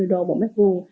bảy mươi đô một m hai